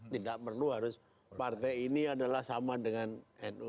tidak perlu harus partai ini adalah sama dengan nu